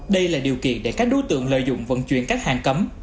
đây là điều kiện để các đối tượng lợi dụng vận chuyển các hàng cấm